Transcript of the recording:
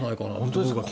本当ですか？